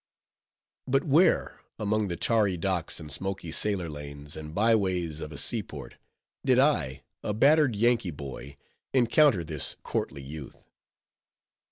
But where, among the tarry docks, and smoky sailor lanes and by ways of a seaport, did I, a battered Yankee boy, encounter this courtly youth?